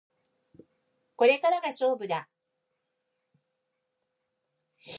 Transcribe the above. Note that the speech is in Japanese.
これからが勝負だ